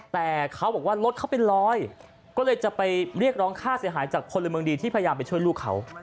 แต่เขาบอกว่ารถเขาเป็นรอยก็เลยจะไปเรียกร้องค่าเสียหายจากพลเมืองดีที่พยายามไปช่วยลูกเขา